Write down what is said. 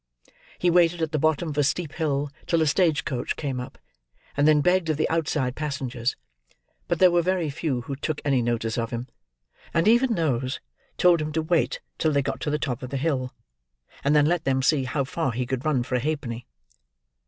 He waited at the bottom of a steep hill till a stage coach came up, and then begged of the outside passengers; but there were very few who took any notice of him: and even those told him to wait till they got to the top of the hill, and then let them see how far he could run for a halfpenny.